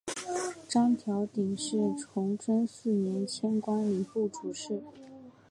张调鼎是崇祯四年迁官礼部主事。